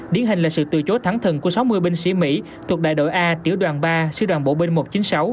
điển hình là sự từ chối thẳng thần của sáu mươi binh sĩ mỹ thuộc đại đội a tiểu đoàn ba sư đoàn bộ binh một trăm chín mươi sáu